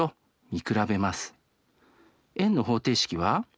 円の方程式は？